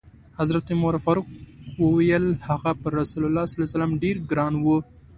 حضرت عمر فاروق وویل: هغه پر رسول الله ډېر ګران و.